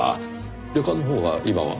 旅館のほうは今は？